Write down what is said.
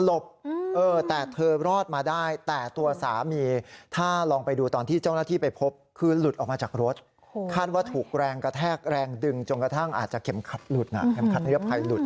แล้วเธอคาดว่าสามีของเธอคงจะขับรถแล้วเหนื่อย